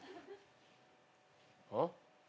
あっ？